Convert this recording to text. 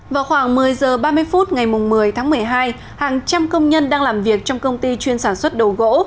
vào khoảng một mươi h ba mươi phút ngày một mươi tháng một mươi hai hàng trăm công nhân đang làm việc trong công ty chuyên sản xuất đồ gỗ